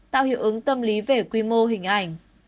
tạo hiệu ứng tâm lý về quy mô hình ảnh